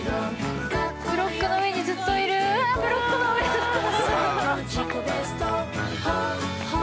ブロックの上にずっといるあブロックの上ずっと。